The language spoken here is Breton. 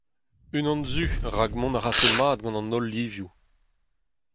Unan zu rak mont a rafe mat gant an holl livioù.